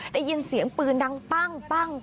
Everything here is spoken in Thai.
ได้ยินเสียงปืนดังปั้ง